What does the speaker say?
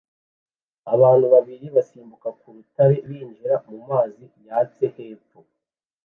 Abantu babiri basimbuka ku rutare binjira mu mazi yatsi hepfo